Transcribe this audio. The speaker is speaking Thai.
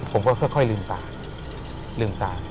ผมก็ค่อยลืมตา